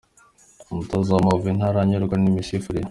Umutoza w’amavubi ntaranyurwa n’imisifurire